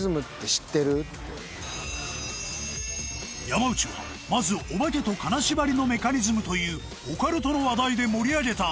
山内はまずオバケと金縛りのメカニズムというオカルトの話題で盛り上げた